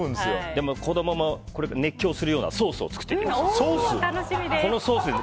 でも子供も熱狂するようなソースを作っていきますので。